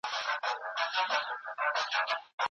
بښنه او رحمت د اسلام بنسټونه دي.